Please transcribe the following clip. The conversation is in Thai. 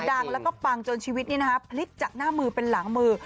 ดังแล้วก็ปังจนชีวิตนี้นะฮะพลิกจากหน้ามือเป็นหลังมือ